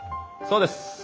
そうです。